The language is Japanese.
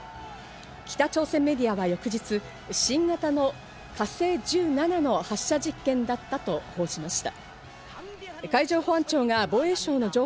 北朝鮮メディアは翌日、新型の「火星１７」の発射実験だったと報じました。